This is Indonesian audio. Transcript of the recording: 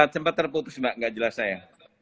sempat terputus mbak nggak jelas saya